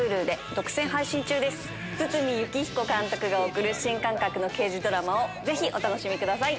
堤幸彦監督が送る新感覚の刑事ドラマをぜひお楽しみください。